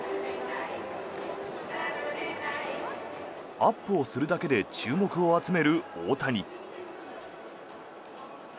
アップをするだけで注目を集める大谷。